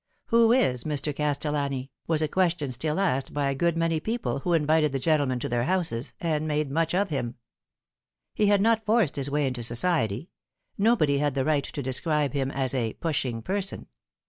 Who is Mr. Castellani ? was a question still asked by a good many people who invited the gentleman to their houses, and made much of him. He had not forced his way into society ; nobody had the right to describe him as a pushing person.